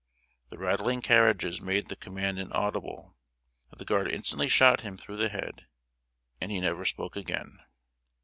The rattling carriages made the command inaudible. The guard instantly shot him through the head, and he never spoke again.